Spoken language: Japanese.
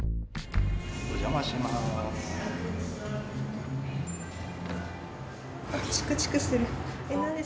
お邪魔します。